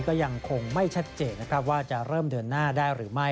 ก็ยังคงไม่ชัดเจนนะครับว่าจะเริ่มเดินหน้าได้หรือไม่